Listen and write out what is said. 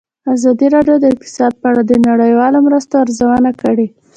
ازادي راډیو د اقتصاد په اړه د نړیوالو مرستو ارزونه کړې.